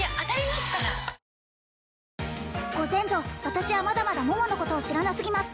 私はまだまだ桃のことを知らなすぎます